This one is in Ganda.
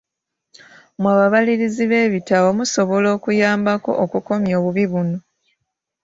Mwe ababalirizi b'ebitabo musobola okuyambako okukomya obubbi buno.